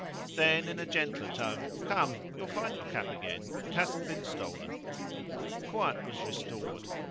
Then, in a gentler tone, "Come, you'll find your cap again; it hasn't been stolen." Quiet was restored.